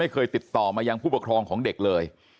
ออกมาอย่างผู้ปกครองของเด็กเลย